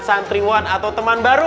santriwan atau teman baru